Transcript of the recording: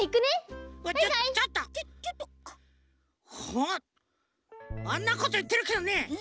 ほっあんなこといってるけどね